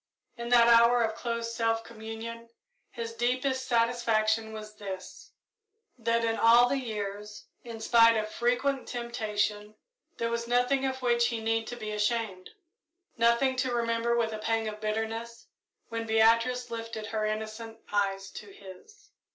In that hour of close self communion, his deepest satisfaction was this that in all the years, in spite of frequent temptation, there was nothing of which he need to be ashamed nothing to remember with a pang of bitterness, when Beatrice lifted her innocent eyes to his.